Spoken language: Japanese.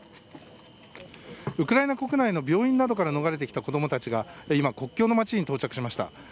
ウクライナ国内の病院などから逃れてきた子供たちが今、国境の街に到着しました。